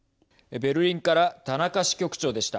ベルリンから田中支局長でした。